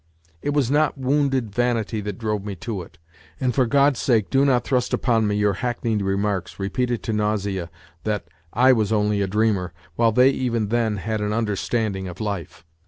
It was not wounded vanity that drove me to it, and for God's sake do not thrust upon me your hackneyed remarks, repeated to nausea, that " I was only a dreamer," while they even then had an understanding of life.